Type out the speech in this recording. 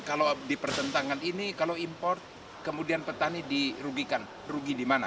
kalau dipertentangan ini kalau import kemudian petani dirugikan rugi di mana